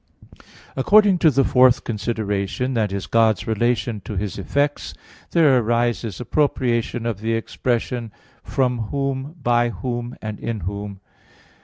According to the fourth consideration, i.e. God's relation to His effects, there arise[s] appropriation of the expression "from Whom, by Whom, and in Whom."